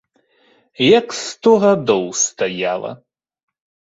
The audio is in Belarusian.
Як сто гадоў стаяла!